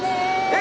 え！